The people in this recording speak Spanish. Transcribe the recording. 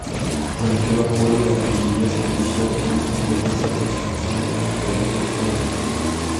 Con ligero apoyo de artillería se inició una cautelosa aproximación al poderoso sistema defensivo.